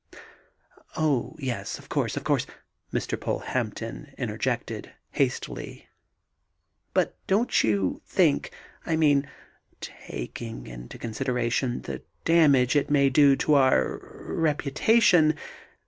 "Oh, yes, of course, of course," Mr. Polehampton interjected, hastily, "but don't you think now ... I mean, taking into consideration the damage it may do our reputation